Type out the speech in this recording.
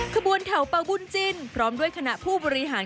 ขบวนแถวเป่าบุญจิ้นพร้อมด้วยคณะผู้บริหาร